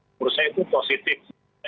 menurut saya itu positif